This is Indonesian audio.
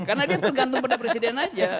karena dia tergantung pada presiden aja